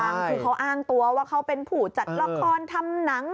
คือเขาอ้างตัวว่าเขาเป็นผู้จัดละครทำหนัง